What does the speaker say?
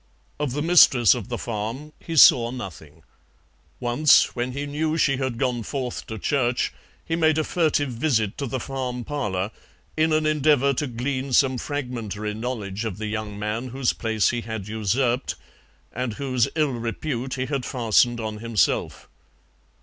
Of the mistress of the farm he saw nothing. Once, when he knew she had gone forth to church, he made a furtive visit to the farm parlour in an endeavour to glean some fragmentary knowledge of the young man whose place he had usurped, and whose ill repute he had fastened on himself.